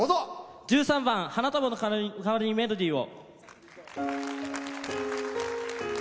１３番「花束のかわりにメロディーを」。